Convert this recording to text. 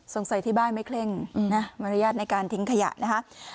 สงสัยที่บ้านไม่เคร่งอืมนะมารยาทในการทิ้งขยะนะคะ